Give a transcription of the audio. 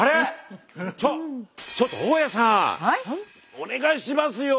お願いしますよ。